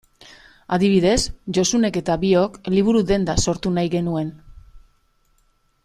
Adibidez, Josunek eta biok liburu-denda sortu nahi genuen.